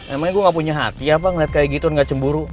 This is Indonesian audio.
emangnya gue gak punya hati apa ngeliat kayak gitu gak cemburu